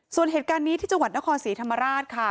ส่วนเหตุการณ์นี้ที่จังหวัดนครศรีธรรมราชค่ะ